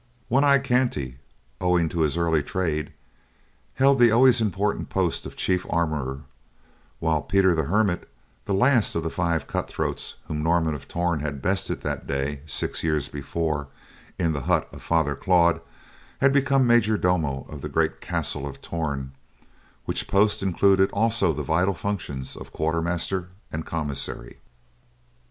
One Eye Kanty, owing to his early trade, held the always important post of chief armorer, while Peter the Hermit, the last of the five cut throats whom Norman of Torn had bested that day, six years before, in the hut of Father Claude, had become majordomo of the great castle of Torn, which post included also the vital functions of quartermaster and commissary.